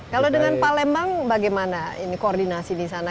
kalau dengan palembang bagaimana ini koordinasi di sana